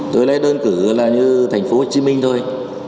tôi lấy đơn cử là như thành phố hồ chí minh thôi